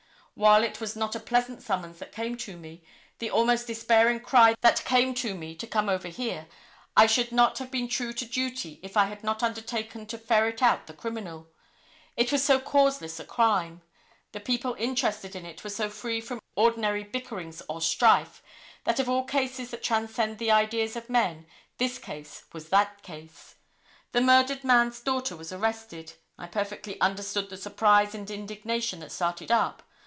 While it was not a pleasant summons that came to me, the almost despairing cry that came to me to come over here, I should not have been true to duty if I had not undertaken to ferret out the criminal. It was so causeless a crime. The people interested in it were so free from ordinary bickerings or strife that of all cases that transcend the ideas of men, this case was that case. The murdered man's daughter was arrested. I perfectly understood the surprise and indignation that started up.